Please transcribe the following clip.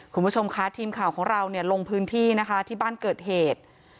คุณผู้ชมค่ะทีมข่าวของเราลงพื้นที่ที่บ้านเกิดเหตุ